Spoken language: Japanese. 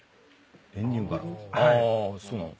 あそうなの？